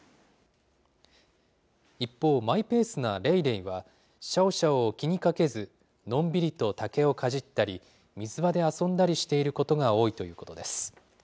一方、マイペースなレイレイは、シャオシャオを気にかけず、のんびりと竹をかじったり、水場で遊んだりしていることが多いということです。